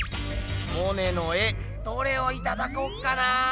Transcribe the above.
モネの絵どれをいただこうかな？